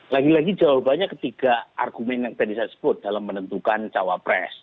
lagi lagi jawabannya ketiga argumen yang tadi saya sebut dalam menentukan cawapres